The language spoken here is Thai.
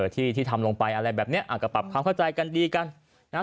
ที่ที่ทำลงไปอะไรแบบนี้ก็ปรับความเข้าใจกันดีกันนะฮะ